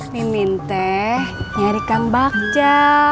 mimin teh nyari kang bakca